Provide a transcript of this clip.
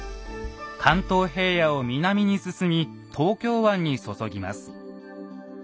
関東平野を南に進み東京湾に注ぎます。